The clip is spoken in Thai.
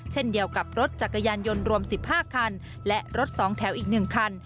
เช่นเดียวกับรถจักรยานยนต์รวม๑๕คันและรถ๒แถวอีก๑คัน